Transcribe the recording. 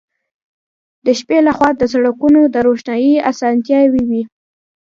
د شپې له خوا د سړکونو د روښنايي اسانتیاوې وې